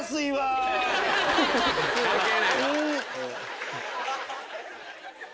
関係ない！